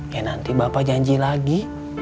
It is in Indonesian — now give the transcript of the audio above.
kayak nanti bapak janji lagi